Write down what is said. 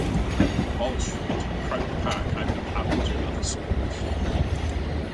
Walsh wanted Croke Park opened up to other sports.